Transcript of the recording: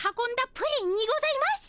プリンにございます。